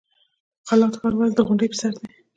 قلات ښار ولې د غونډۍ په سر دی؟